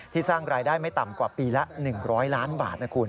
สร้างรายได้ไม่ต่ำกว่าปีละ๑๐๐ล้านบาทนะคุณ